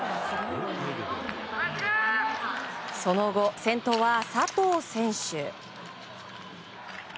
その後、先頭は佐藤選手。